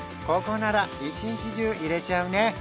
ここなら一日中いれちゃうね